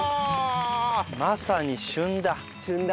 まさに旬だ。